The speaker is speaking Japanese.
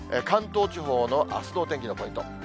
関東地方のあすのお天気のポイント。